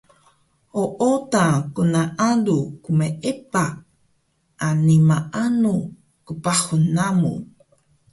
Ooda gnaalu qmeepah ani maanu qpahun namu